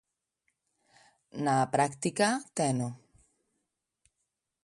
Na práctica, teno.